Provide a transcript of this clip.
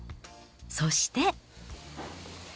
そして。